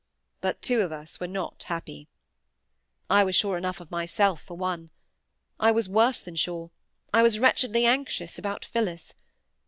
But two of us were not happy. I was sure enough of myself, for one. I was worse than sure,—I was wretchedly anxious about Phillis.